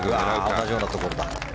同じようなところだ。